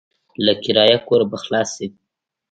له کرايه کوره به خلاص شې.